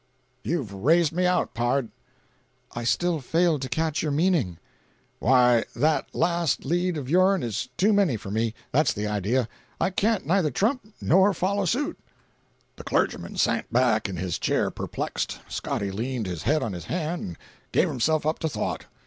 "You've raised me out, pard." "I still fail to catch your meaning." "Why, that last lead of yourn is too many for me—that's the idea. I can't neither trump nor follow suit." The clergyman sank back in his chair perplexed. Scotty leaned his head on his hand and gave himself up to thought.